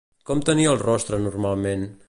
Com tenia el rostre normalment?